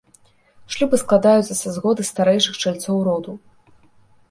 Шлюбы складаюцца са згоды старэйшых чальцоў роду.